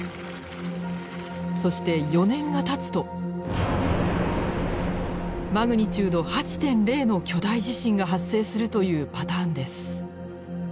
そして４年がたつとマグニチュード８．０の巨大地震が発生するというパターンです。